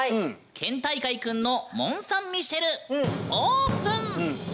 県大会くんの「モン・サン・ミシェル」オープン！